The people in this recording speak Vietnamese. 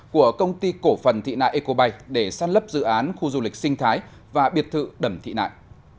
của công ty cổ phần thị nại ecobay để săn lấp dự án khu du lịch sinh thái và biệt thự đầm thị nại